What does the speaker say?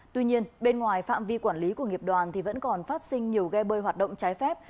tuy nhiên bên ngoài phạm vi quản lý của nghiệp đoàn thì vẫn còn phát sinh nhiều ghe bơi hoạt động trái phép